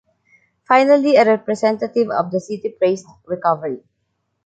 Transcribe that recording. Finally, a representative of the city praised recovery.